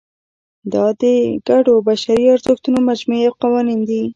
دا د ګډو بشري ارزښتونو مجموعې او قوانین دي.